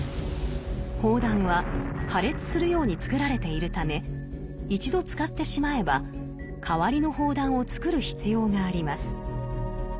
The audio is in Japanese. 砲弾は破裂するように作られているため一度使ってしまえば代わりの砲弾を作る必要があります。